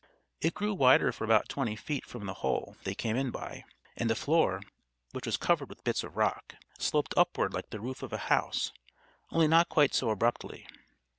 It grew wider for about twenty feet from the hole they came in by, and the floor, which was covered with bits of rock, sloped upward like the roof of a house, only not quite so abruptly.